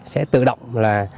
sẽ tự động là